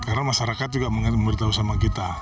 karena masyarakat juga mau memberitahu sama kita